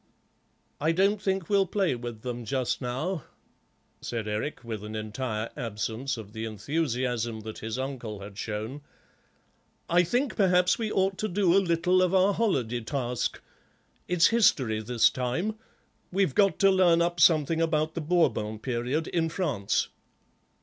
"I don't think we'll play with them just now," said Eric, with an entire absence of the enthusiasm that his uncle had shown; "I think perhaps we ought to do a little of our holiday task. It's history this time; we've got to learn up something about the Bourbon period in France."